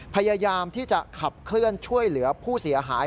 พยายามที่จะขับเคลื่อนช่วยเหลือผู้เสียหาย